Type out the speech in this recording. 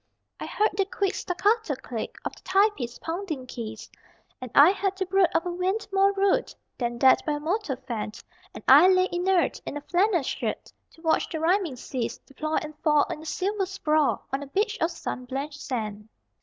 I heard the quick staccato click Of the typist's pounding keys, And I had to brood of a wind more rude Than that by a motor fanned And I lay inert in a flannel shirt To watch the rhyming seas Deploy and fall in a silver sprawl On a beach of sun blanched sand.